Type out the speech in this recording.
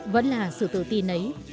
vẫn là sự tự tin ấy